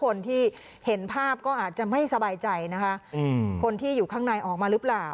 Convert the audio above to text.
คนที่เห็นภาพก็อาจจะไม่สบายใจนะคะอืมคนที่อยู่ข้างในออกมาหรือเปล่า